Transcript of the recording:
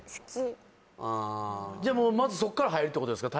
あまずそっから入るってことですか